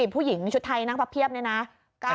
ผู้หญิงชุดไทยนั่งพับเพียบนี่นะ